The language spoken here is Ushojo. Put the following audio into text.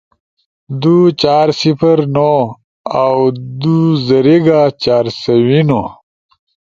دُو، چار، صفر، نو“ اؤ دُو زریگا، چار سوی نو“۔